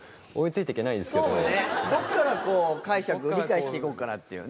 どっから解釈理解していこうかっていうね。